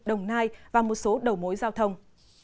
đồng nai và một số đầu mối giao thông